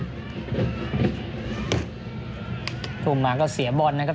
ขึ้นมาทุ่มมาก็เสียบนนะครับ